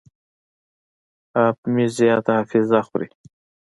اپ مې زیاته حافظه خوري.